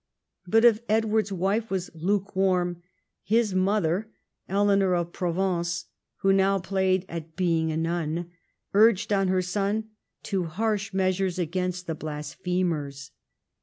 But if Edward's wife was lukewarm, his mother Eleanor of Provence, who now played at being a nun, urged on her son to harsh measures against the blasphemers.